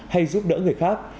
hay giúp đỡ người khác